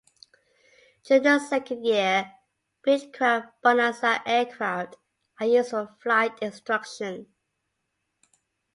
During the second year, Beechcraft Bonanza aircraft are used for flight instruction.